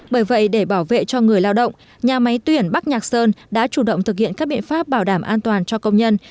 bởi vậy để bảo vệ cho người lao động nhà máy tuyển bắc nhạc sơn đã chủ động thực hiện các biện pháp bảo đảm an toàn cho công nhân